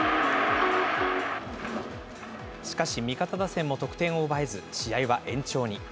しかし、味方打線も得点を奪えず、試合は延長に。